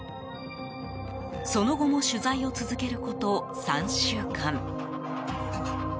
その後も取材を続けること３週間。